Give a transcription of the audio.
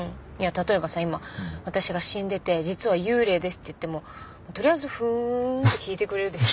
例えばさ今私が死んでて「実は幽霊です」って言ってもとりあえず「ふーん」って聞いてくれるでしょ？